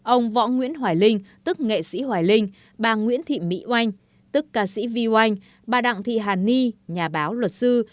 ông võ nguyễn hoài linh tức nghệ sĩ hoài linh bà nguyễn thị mỹ oanh tức ca sĩ vy oanh bà đặng thị hàn ni nhà báo luật sư